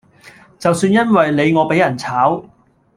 就算因為你我比人炒